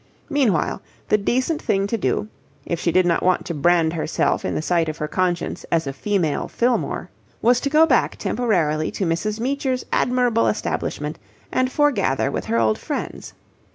Meanwhile, the decent thing to do, if she did not want to brand herself in the sight of her conscience as a female Fillmore, was to go back temporarily to Mrs. Meecher's admirable establishment and foregather with her old friends.